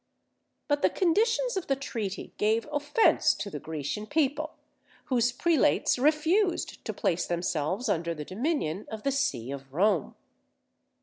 But the conditions of the treaty gave offence to the Grecian people, whose prelates refused to place themselves under the dominion of the See of Rome.